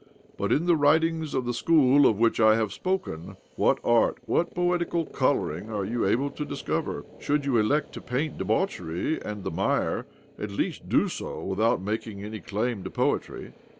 But in the writ ings of the school of which I have spoken, what art, what poetical colouring, are you able to discover ? Should you elect to paint debauchery and the mire, at least do so without making any claim to poetry."